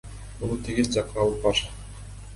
Муну тигил жакка алып бар!